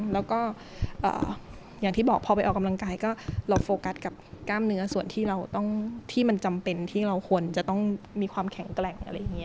แล้วก็อย่างที่บอกพอไปออกกำลังกายก็เราโฟกัสกับกล้ามเนื้อส่วนที่เราต้องที่มันจำเป็นที่เราควรจะต้องมีความแข็งแกร่งอะไรอย่างนี้